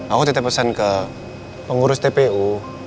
aku tetap pesan ke pengurus tpu